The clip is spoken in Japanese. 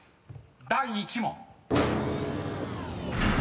［第１問］